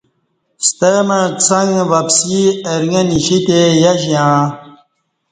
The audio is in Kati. ستمع څݣ وپسی ارݣہ نیشیتہ یش یعاں